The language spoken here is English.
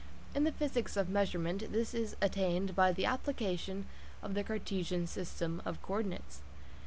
In the physics of measurement this is attained by the application of the Cartesian system of co ordinates.